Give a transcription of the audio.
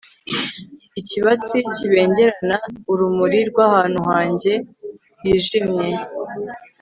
ikibatsi kibengerana, urumuri rw'ahantu hanjye hijimye